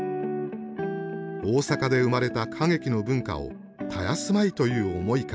大阪で生まれた歌劇の文化を絶やすまいという思いからでした。